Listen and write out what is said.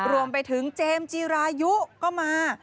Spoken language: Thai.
รวมไปถึงเจมส์จีรายุก็มา